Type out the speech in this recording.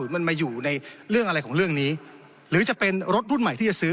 มันมาอยู่ในเรื่องอะไรของเรื่องนี้หรือจะเป็นรถรุ่นใหม่ที่จะซื้อ